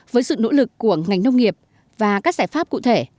với sự nỗ lực của ngành nông nghiệp và các giải pháp cụ thể